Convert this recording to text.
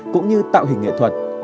cũng như tạo hình nghệ thuật